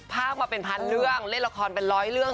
ภาคมาเป็นพันเรื่องเล่นละครเป็นร้อยเรื่อง